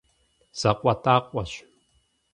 ЗакъуэтӀакъуэщ…